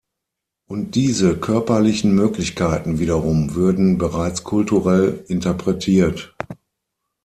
Und diese körperlichen Möglichkeiten wiederum würden bereits kulturell interpretiert.